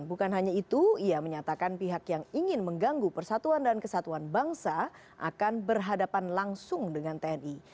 bukan hanya itu ia menyatakan pihak yang ingin mengganggu persatuan dan kesatuan bangsa akan berhadapan langsung dengan tni